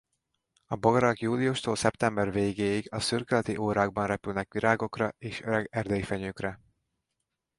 A bogarak júliustól szeptember végéig a szürkületi órákban repülnek virágokra és öreg erdeifenyőkre.